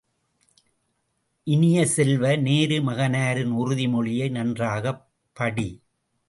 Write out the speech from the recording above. இனிய செல்வ, நேரு மகனாரின் உறுதி மொழியை நன்றாகப் படி!